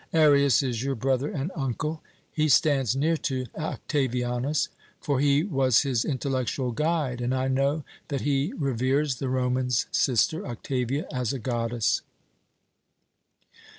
Arius is your brother and uncle. He stands near to Octavianus, for he was his intellectual guide, and I know that he reveres the Roman's sister, Octavia, as a goddess.